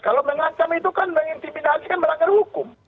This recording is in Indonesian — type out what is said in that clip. kalau mengancam itu kan mengintimidasi kan melanggar hukum